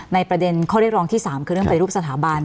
ประเด็นข้อเรียกร้องที่๓คือเรื่องปฏิรูปสถาบัน